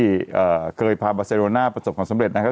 ที่เคยพาบาเซโรน่าประสบความสำเร็จนะครับ